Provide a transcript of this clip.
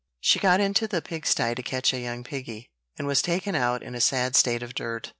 She got into the pigsty to catch a young piggy, and was taken out in a sad state of dirt.